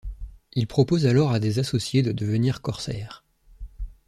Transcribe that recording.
Il propose alors à des associés de devenir corsaire.